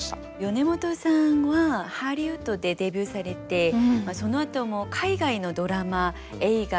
米本さんはハリウッドでデビューされてそのあとも海外のドラマ映画